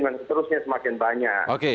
dan seterusnya semakin banyak